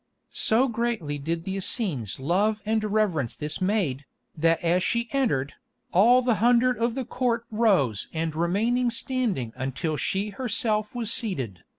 So greatly did the Essenes love and reverence this maid, that as she entered, all the hundred of the Court rose and remaining standing until she herself was seated.